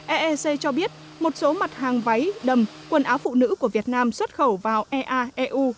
eec cho biết một số mặt hàng váy đầm quần áo phụ nữ của việt nam xuất khẩu vào ea eu